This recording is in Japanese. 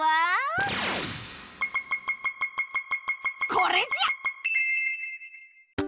これじゃ！